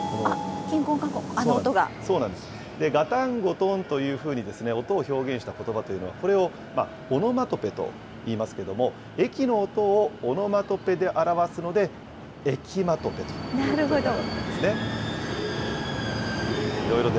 ガタンゴトンというふうに、音を表現したことばというのは、これをオノマトペといいますけれども、駅の音をオノマトペで表すので、エキマトペということなんなるほど。